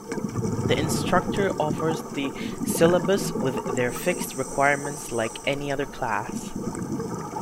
The instructor offers the syllabus with their fixed requirements like any other class.